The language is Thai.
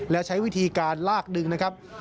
และใช้วิธีการลากดึงนะครับ